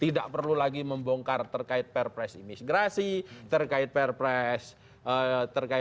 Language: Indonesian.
tidak perlu lagi membongkar terkait perpres imigrasi terkait perpres terkait